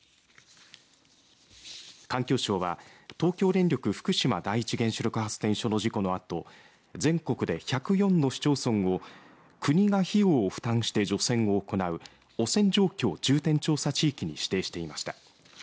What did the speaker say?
環境省は東京電力福島第一原子力発電所の事故のあと全国で１０４の市町村を国が費用を負担して除染を行う汚染状況重点調査地域に指定していました。